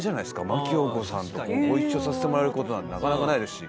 真木よう子さんとご一緒させてもらえる事なんてなかなかないですし。